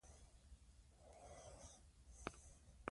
ادبي غونډې باید ډېرې شي.